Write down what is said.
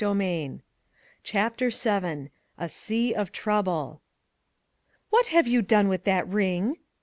101 CHAPTER VII A SEA OF TROUBLE """HAT have you done with that W ring?"